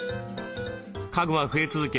家具は増え続け